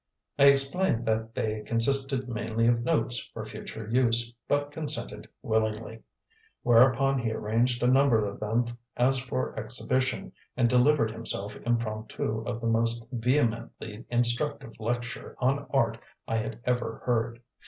I explained that they consisted mainly of "notes" for future use, but consented willingly; whereupon he arranged a number of them as for exhibition and delivered himself impromptu of the most vehemently instructive lecture on art I had ever heard.